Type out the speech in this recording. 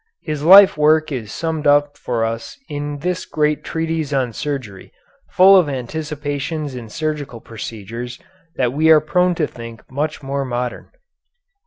His life work is summed up for us in this great treatise on surgery, full of anticipations in surgical procedures that we are prone to think much more modern.